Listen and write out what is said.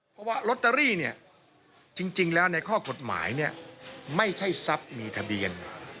เพราะว่าลอตเตอรี่เนี่ยจริงแล้วในข้อกฎหมายเนี่ยไม่ใช่ทรัพย์มีทะเบียน